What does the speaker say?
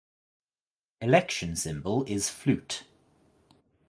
Election symbol is Flute.